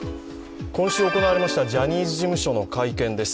今週行われましたジャニーズ事務所の会見です。